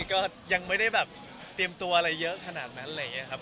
ก็ยังไม่ได้แบบเตรียมตัวอะไรเยอะขนาดนั้นอะไรอย่างนี้ครับ